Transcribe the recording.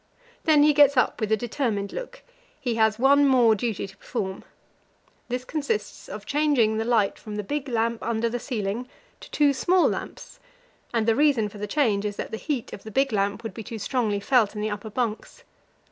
Then he gets up with a determined look; he has one more duty to perform. This consists of changing the light from the big lamp under the ceiling to two small lamps, and the reason for the change is that the heat of the big lamp would be too strongly felt in the upper bunks.